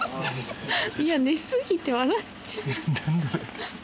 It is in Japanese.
いや寝過ぎて笑っちゃう。